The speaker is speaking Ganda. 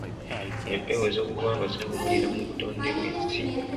Empewo ez’obuwangwa ziwummulira mu butonde bw’ensi.